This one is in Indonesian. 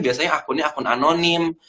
biasanya akunnya akun anonim